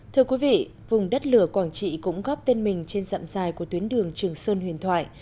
thưa quý vị vùng đất lửa quảng trị cũng góp tên mình trên dặm dài của tuyến đường trường sơn huyền thoại